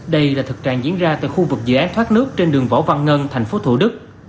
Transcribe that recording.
đây là thực trạng diễn ra tại khu vực dự án thoát nước trên đường võ văn ngân tp thủ đức